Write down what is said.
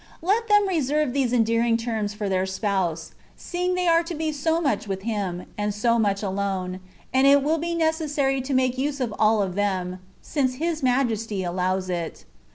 Let them reserve these endearing terms for their Spouse, seeing they are to be so much with Him, and so much alone; and it will be necessary to make use of all of them, since His Majesty allows it.